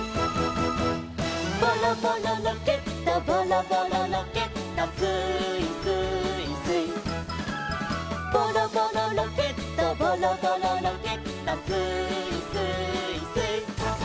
「ボロボロロケットボロボロロケット」「スーイスーイスイ」「ボロボロロケットボロボロロケット」「スーイスーイスイ」